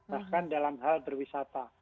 bahkan dalam hal berwisata